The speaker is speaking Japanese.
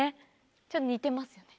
ちょっと似てますよね。